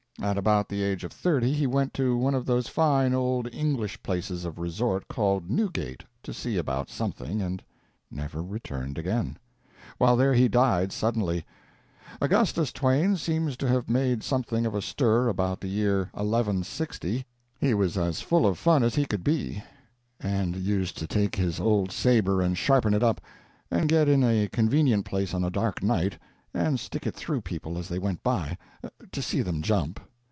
At about the age of thirty he went to one of those fine old English places of resort called Newgate, to see about something, and never returned again. While there he died suddenly. Augustus Twain seems to have made something of a stir about the year 1160. He was as full of fun as he could be, and used to take his old saber and sharpen it up, and get in a convenient place on a dark night, and stick it through people as they went by, to see them jump.